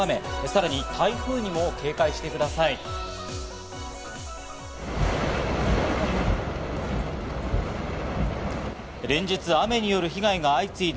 さらに台風にも警戒してください。